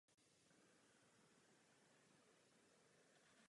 To je rozdíl.